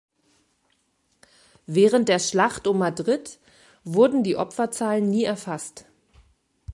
Während der „Schlacht um Madrid“ wurden die Opferzahlen nie erfasst.